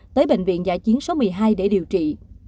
tới bệnh viện giả chiến số một mươi hai để điều trị